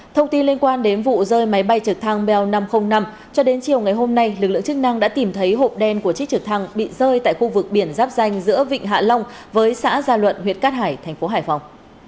thông tin liên quan đến vụ rơi máy bay trực thăng bell năm trăm linh năm cho đến chiều ngày hôm nay lực lượng chức năng đã tìm thấy hộp đen của chiếc trực thăng bị rơi tại khu vực biển giáp danh giữa vịnh hạ long với xã gia luận huyện cát hải thành phố hải phòng